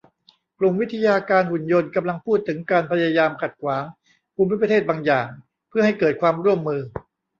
กลุ่มวิทยาการหุ่นยนต์กำลังพูดถึงการพยายามขัดขวางภูมิประเทศบางอย่างเพื่อให้เกิดความร่วมมือ